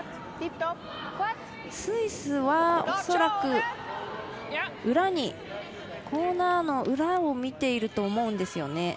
スイスは、恐らく裏にコーナーの裏を見ていると思うんですよね。